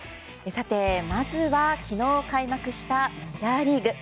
まずは昨日開幕したメジャーリーグ。